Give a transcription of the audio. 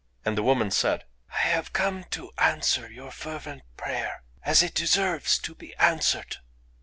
And the woman said: "I have come to answer your fervent prayer as it deserves to be answered.